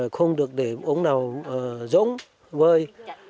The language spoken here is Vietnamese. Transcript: không được để uống nào rỗng vơi